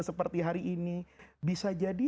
seperti hari ini bisa jadi